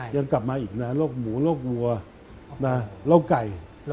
ยังกลับมาอีกนะโรคหมูโรควัวโรคไก่